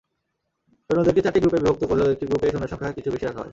সৈন্যদেরকে চারটি গ্রুপে বিভক্ত করলেও একটি গ্রুপে সৈন্যসংখ্যা কিছু বেশি রাখা হয়।